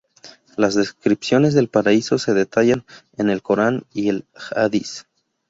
Las descripciones del paraíso se detallan en el Corán y el Hadiz.